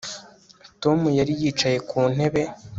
Tom yari yicaye ku ntebe